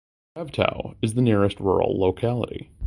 Ravtau is the nearest rural locality.